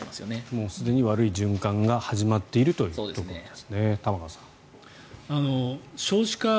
もうすでに悪い循環が始まっているというところですね玉川さん。